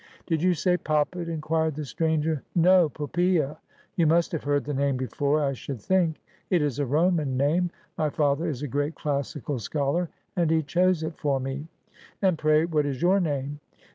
' Did you say Poppet ?' inquired the stranger. ' No ; Poppsea. You must have heard the name before, I should think. It is a Roman name. My father is a great classical scholar, and he chose it for me. And pray what is your name